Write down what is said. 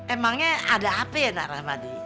emangnya ada apa ya naramadi